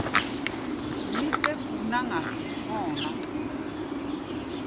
Mí tɛ́ ku̧ náŋ-a hɔ̧́ɔ̧ ná.